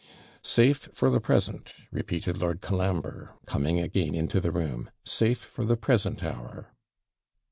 'Safe for the present!' repeated Lord Colambre, coming again into the room. 'Safe for the present hour.'